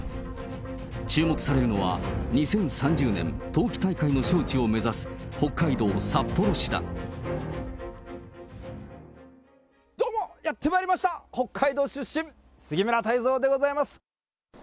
注目されるのは２０３０年冬季大会の招致を目指す、北海道札幌市どうも、やってまいりました、北海道出身、杉村太蔵でございます。